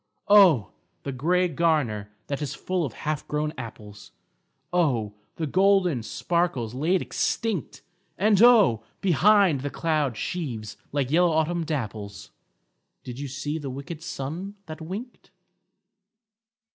Oh, the grey garner that is full of half grown apples, Oh, the golden sparkles laid extinct ! And oh, behind the cloud sheaves, like yellow autumn dapples, Did you see the wicked sun that winked?